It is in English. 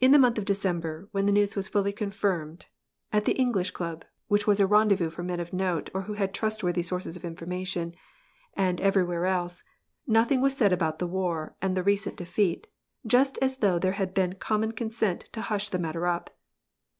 In month of December when the news was fully confirmed, the English Club, which was a rendezvous for all men of or who had trustworthy sources of information, and rywhere else, nothing was said about the war and the nt defeat, just as though there had been common consent hush the matter up.